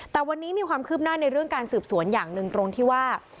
แต่วันนี้มีความคืบหน้าในเรื่องการสืบสวนอย่างหนึ่งตรงที่ว่า